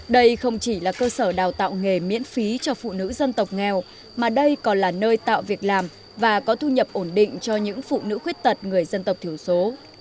đây không chỉ là cơ sở đào tạo nghề miễn phí cho phụ nữ dân tộc nghèo mà đây còn là nơi tạo việc làm và có thu nhập ổn định cho những phụ nữ khuyết tật người dân tộc thiểu số